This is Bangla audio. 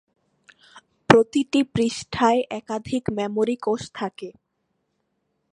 প্রতিটি পৃষ্ঠায় একাধিক মেমরি কোষ থাকে।